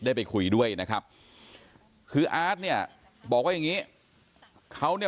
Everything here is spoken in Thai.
ก็ได้รู้สึกว่ามันกลายเป้าหมายและมันกลายเป้าหมาย